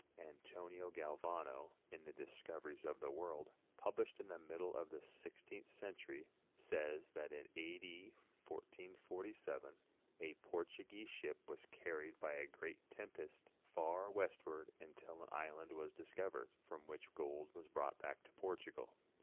'? Antonio Gal vano, in 'The Discoveries of the World," published in the middle of the sixteenth century, says that in A. D. 1447 a Portuguese ship was carried by a great tempest far westward until an island was discovered, from which gold was brought back to Portugal.